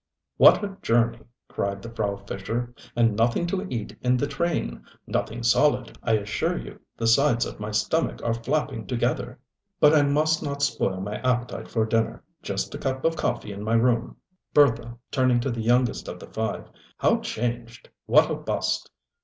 ŌĆ£What a journey! ŌĆØ cried the Frau Fischer. ŌĆ£And nothing to eat in the trainŌĆönothing solid. I assure you the sides of my stomach are flapping together. But I must not spoil my appetite for dinnerŌĆöjust a cup of coffee in my room. Bertha, ŌĆØ turning to the youngest of the five, ŌĆ£how changed! What a bust!